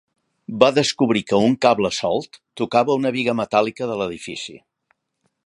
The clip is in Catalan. Va descobrir que un cable solt tocava una biga metàl·lica de l'edifici.